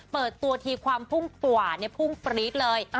เปิดตัวทีความพุ่งตัวเนี่ยพุ่งปรี๊ดเลย